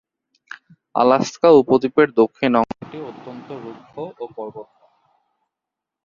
Alaska উপদ্বীপের দক্ষিণ অংশটি অত্যন্ত রুক্ষ ও পর্বতময়।